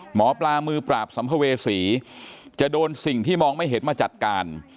หมอปลามือปราบสัมภเวษีจะโดนสิ่งที่มองไม่เห็นมาจัดการ